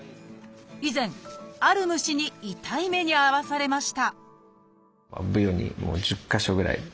以前ある虫に痛い目に遭わされました